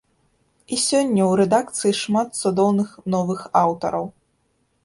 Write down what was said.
І сёння ў рэдакцыі шмат цудоўных новых аўтараў.